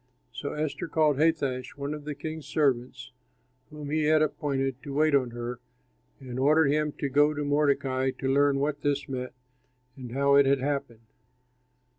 So Esther called Hathach, one of the king's servants whom he had appointed to wait on her, and ordered him to go to Mordecai to learn what this meant and how it had happened.